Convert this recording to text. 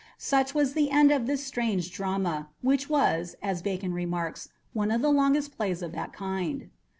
Such was the end of this strange drama, which was, as Bacon remarks, "one of the longest plays of that kind."